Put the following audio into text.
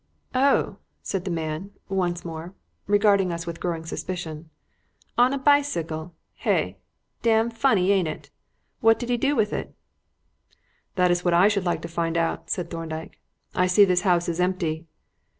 "Oh!" said the man once more, regarding us with growing suspicion. "On a bicycle, hay! Dam funny, ain't it? What did he do it with?" "That is what I should like to find out," said Thorndyke. "I see this house is empty."